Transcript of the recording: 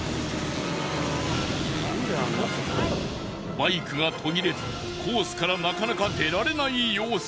バイクが途切れずコースからなかなか出られない様子。